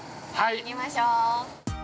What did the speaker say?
行きましょう。